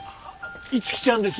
逸希ちゃんです。